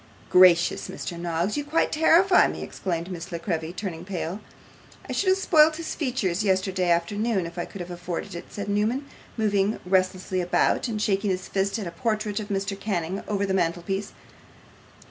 'Gracious, Mr. Noggs, you quite terrify me!' exclaimed Miss La Creevy, turning pale. 'I should have spoilt his features yesterday afternoon if I could have afforded it,' said Newman, moving restlessly about, and shaking his fist at a portrait of Mr. Canning over the mantelpiece.